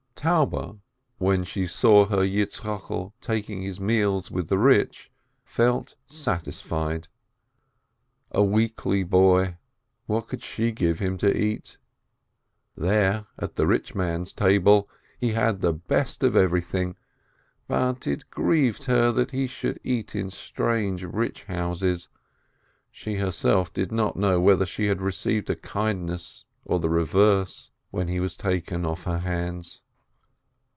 Taube, when she saw her Yitzchokel taking his meals with the rich, felt satisfied. A weakly boy, what could she give him to eat ? There, at the rich man's table, he had the best of everything, but it grieved her that he should eat in strange, rich houses — she herself did not know whether she had received a kindness or the reverse, when he was taken off her hands.